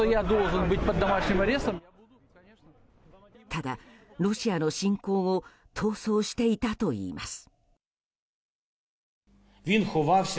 ただ、ロシアの侵攻後逃走していたといいます。